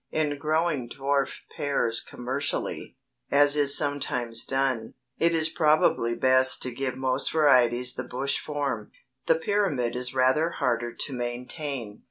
In growing dwarf pears commercially, as is sometimes done, it is probably best to give most varieties the bush form. The pyramid is rather harder to maintain.